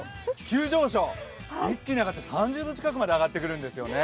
急上昇、一気に上がって３０度近くまで上がってくるんですよね。